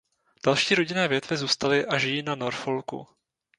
Další rodinné větve zůstaly a žijí na Norfolku.